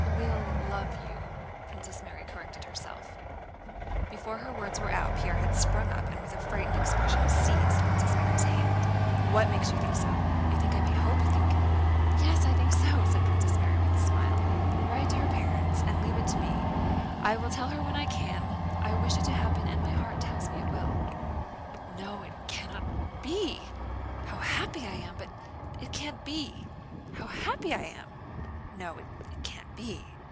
will love you," Princess Mary corrected herself. Before her words were out, Pierre had sprung up and with a frightened expression seized Princess Mary's hand. "What makes you think so? You think I may hope? You think...?" "Yes, I think so," said Princess Mary with a smile. "Write to her parents, and leave it to me. I will tell her when I can. I wish it to happen and my heart tells me it will." "No, it cannot be! How happy I am! But it can't be.... How happy I am! No, it can't be!"